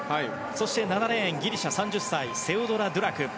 そして７レーン、ギリシャのセオドラ・ドゥラク。